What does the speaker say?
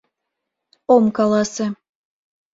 Ом каласе...